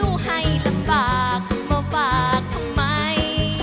ฮุยฮาฮุยฮารอบนี้ดูทางเวที